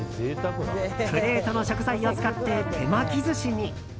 プレートの食材を使って手巻き寿司に。